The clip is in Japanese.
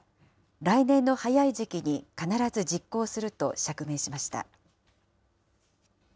来年の早い時期に必ず実行すると釈明しました。